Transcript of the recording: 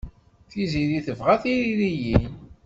Tiziri tebɣa tiririyin.